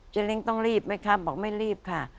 เล้งต้องรีบไหมคะบอกไม่รีบค่ะ